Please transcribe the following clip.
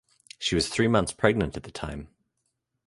She was three months pregnant at the time.